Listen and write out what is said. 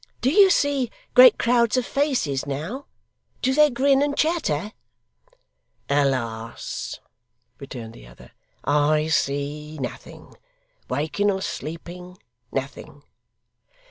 Do you see great crowds of faces, now? Do they grin and chatter?' 'Alas!' returned the other, 'I see nothing. Waking or sleeping, nothing.